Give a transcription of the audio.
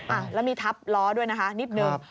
อ่ะแล้วมีทับล้อด้วยนะคะนิดนึง